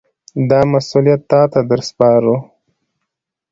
دا مسوولیت تاته در سپارو.